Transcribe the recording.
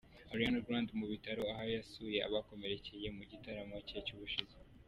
Ariana Grande mu bitaro aho yasuye abakomerekeye mu gitaramo cye cy'ubushize.